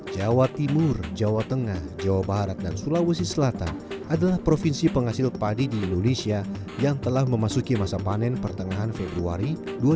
jawa timur jawa tengah jawa barat dan sulawesi selatan adalah provinsi penghasil padi di indonesia yang telah memasuki masa panen pertengahan februari dua ribu dua puluh